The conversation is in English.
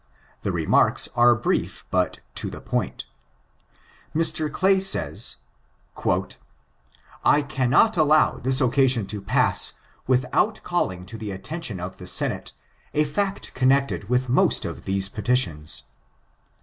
The remarks are briefy bat to the poiat. Mr. Claj sajs :—'* I cannot allow this occasion to pass without calHng to the attention of the Senate a fact connected with most of these petitions.